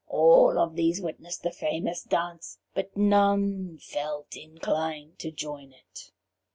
All of these witnessed the famous dance, but none felt inclined to join it.